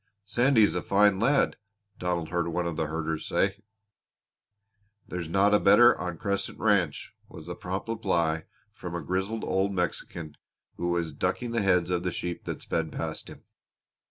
"Sandy's a fine lad!" Donald heard one of the herders say. "There's not a better on Crescent Ranch!" was the prompt reply from a grizzled old Mexican who was ducking the heads of the herd that sped past him.